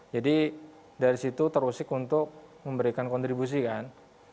jadi dari situ terus ikut untuk memberikan kontribusi kan